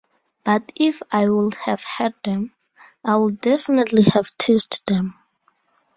But if I would have had them, I would definitely have teased them!